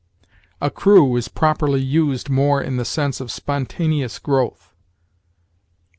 Accrue is properly used more in the sense of spontaneous growth.